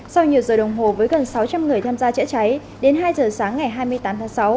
sau nhiều giờ đồng hồ với gần sáu trăm linh người tham gia chữa cháy đến hai giờ sáng ngày hai mươi tám tháng sáu